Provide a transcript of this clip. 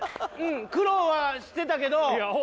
苦労はしてたけど。